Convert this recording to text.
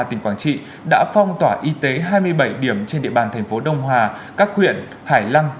tỉnh quảng trị đã phong tỏa y tế hai mươi bảy điểm trên địa bàn thành phố đông hà các huyện hải lăng